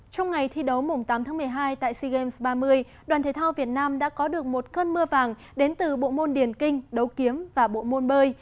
trong ngày thi đấu mùng tám tháng một mươi hai tại sea games ba mươi đoàn thể thao việt nam đã có được một cơn mưa vàng đến từ bộ môn điển kinh đấu kiếm và bộ môn bơi